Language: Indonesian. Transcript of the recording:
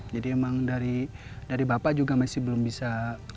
jadi emang dari bapak juga masih belum bisa